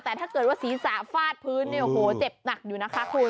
แต่ถ้าเกิดว่าศีรษะฟาดพื้นเนี่ยโอ้โหเจ็บหนักอยู่นะคะคุณ